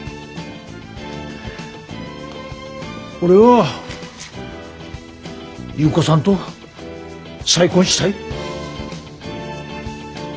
俺は優子さんと再婚したい。